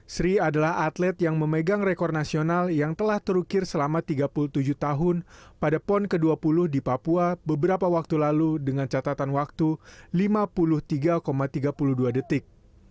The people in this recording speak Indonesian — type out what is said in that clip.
sri adalah atlet yang memegang rekor nasional yang telah terukir selama tiga puluh tujuh tahun pada pon ke dua puluh di papua beberapa waktu lalu dengan catatan waktu lima puluh tiga tiga puluh dua detik